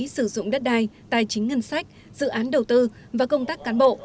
sử dụng đất đai tài chính ngân sách dự án đầu tư và công tác cán bộ